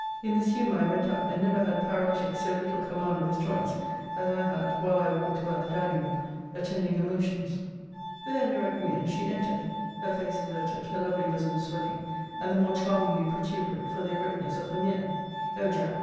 In this humour I went up, and never had paralytic so little command of his joints, as I had, while I walked about the dining room, attending her motions. 'With an erect mien she entered, her face averted, her lovely bosom swelling, and the more charmingly protuberant for the erectness of her mien. O Jack!